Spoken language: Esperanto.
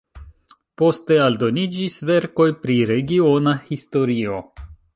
Poste aldoniĝis verkoj pri regiona historio.